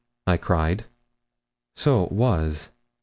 cried I. 'So it was.